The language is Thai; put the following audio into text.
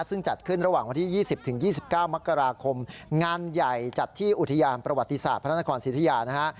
ซึ่งจัดขึ้นระหว่างวันที่๒๐๒๙มกราคมงานใหญ่จัดที่อุทยานประวัติศาสตร์พระนครสิทธิยานะฮะ